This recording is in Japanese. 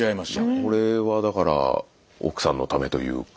これはだから奥さんのためというか。